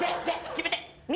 決めて！